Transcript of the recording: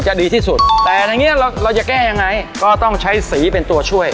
ดีที่สุดแต่ในนี้เราจะแก้ยังไงก็ต้องใช้สีเป็นตัวช่วย